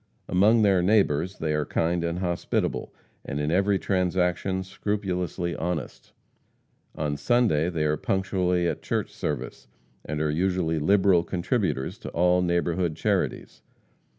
Among their neighbors they are kind and hospitable, and in every transaction scrupulously honest. On Sunday they are punctually at church service, and are usually liberal contributors to all neighborhood charities.